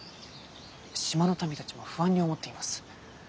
島の民たちも不安に思っています。